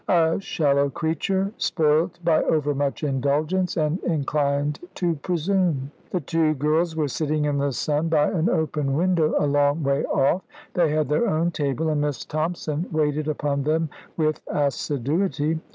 A shallow creature, spoilt by overmuch indulgence, and inclined to presume. The two girls were sitting in the sun by an open window, a long way off. They had their own table, and Miss Thompson waited upon them with assiduity.